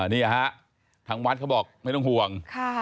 นี่ฮะทางวัดเขาบอกไม่ต้องห่วง